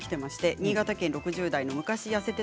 新潟県６０代の方。